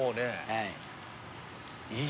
はい。